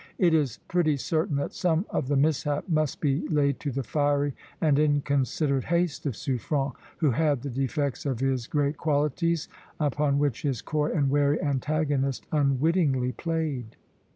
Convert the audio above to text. It is pretty certain that some of the mishap must be laid to the fiery and inconsiderate haste of Suffren, who had the defects of his great qualities, upon which his coy and wary antagonist unwittingly played.